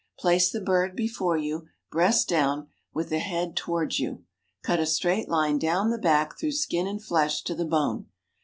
Place the bird before you, breast down, with the head towards you. Cut a straight line down the back through skin and flesh to the bone.